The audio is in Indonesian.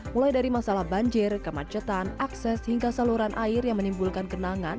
mulai dari masalah banjir kemacetan akses hingga saluran air yang menimbulkan kenangan